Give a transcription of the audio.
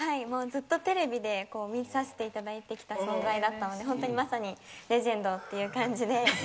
ずっとテレビで見させていただいてきた存在だったので本当にまさにレジェンドという感じで。